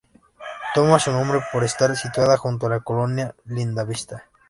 Toma su nombre por estar situada junto a la colonia Lindavista.